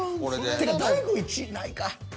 てか大悟１位ないか。